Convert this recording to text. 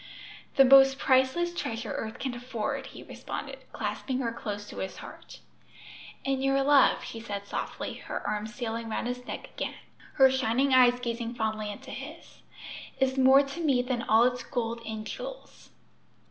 "The most priceless treasure earth can afford!" he responded, clasping her close to his heart. "And your love," she said softly, her arm stealing round his neck again, her shining eyes gazing fondly into his, "is more to me than all its gold and jewels."